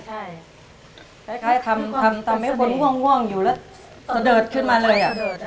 ใช่ใช่ใช่